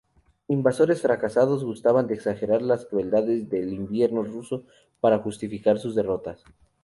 Invasores fracasados gustaban de exagerar las crueldades del invierno ruso para justificar sus derrotas.